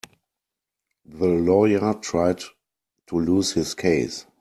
The lawyer tried to lose his case.